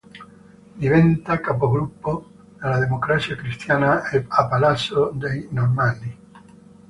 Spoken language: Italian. Diventa capogruppo della Democrazia Cristiana a Palazzo dei Normanni.